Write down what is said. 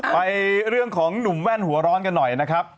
ไปเรื่องของหนุ่มแว่นหัวร้อนกันหน่อยนะครับ